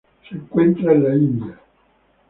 Se encuentra en la India